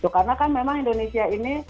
karena kan memang indonesia ini